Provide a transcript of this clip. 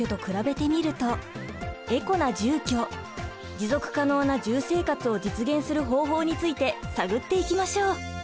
持続可能な住生活を実現する方法について探っていきましょう！